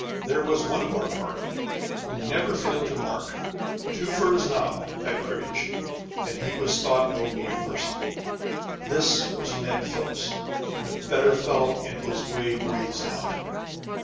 There was one of our party who never failed to mark " two for his Nob " at cribbage, and he was thought no mean person This was Ned Phillips, and a better fellow in his way breathes not.